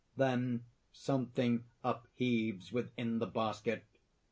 Then something upheaves within the basket.